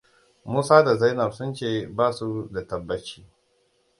Musa da Zainab sun ce ba su da tabbaci.